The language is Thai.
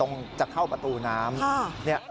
ตรงจากเข้าประตูน้ำ